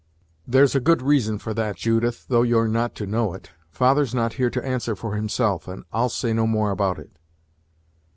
"There's a good reason for that, Judith, though you're not to know it. Father's not here to answer for himself, and I'll say no more about it."